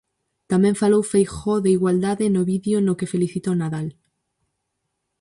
Tamén falou Feijóo de "igualdade" no vídeo no que felicita o Nadal.